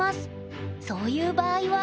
そういう場合は？